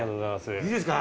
いいですか？